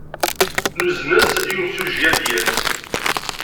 Nuzen-as i yimsujji ad d-yas.